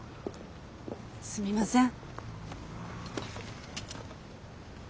すみません。